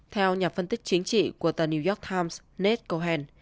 theo nhà phân tích chính trị của tờ new york times nate cohen